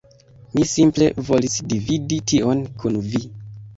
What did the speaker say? Mi simple volis dividi tion kun vi